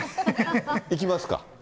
行きますか？